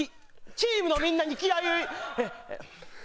チームのみんなに気合を。